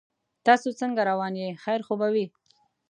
تاسو څنګه روان یې خیر خو به وي